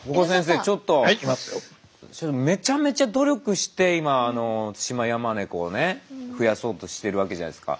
めちゃめちゃ努力して今あのツシマヤマネコをね増やそうとしてるわけじゃないですか。